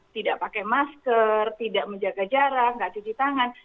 tidak pakai masker tidak menjaga jarak tidak cuci tangan